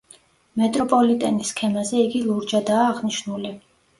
მეტროპოლიტენის სქემაზე იგი ლურჯადაა აღნიშნული.